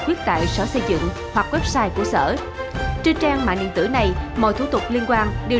quyết tại sở xây dựng hoặc website của sở trên trang mạng điện tử này mọi thủ tục liên quan đều